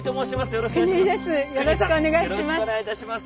よろしくお願いします。